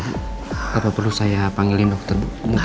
apa perlu saya panggilin dokter